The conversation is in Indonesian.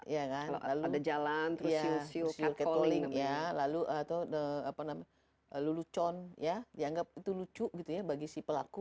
ya kan lalu ada jalan terus siul siul catcalling lalu lulucon ya dianggap itu lucu gitu ya bagi si pelaku